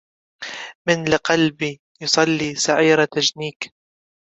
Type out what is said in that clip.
من لقلب يصلى سعير تجنيك